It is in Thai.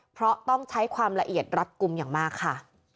เพราะต้องใช้ความละเอียดรัดกลุ่มอย่างมากค่ะ